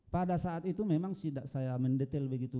pada saat itu memang saya mendetail begitu